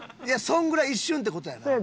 いやそのぐらい一瞬って事やな？